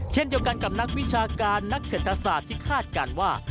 เช่นเดียวกันกับนักวิชาการนักเศรษฐศาสตร์ที่คาดการณ์ว่า